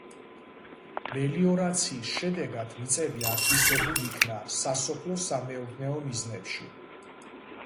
მელიორაციის შედეგად მიწები ათვისებულ იქნა სასოფლო-სამეურნეო მიზნებში.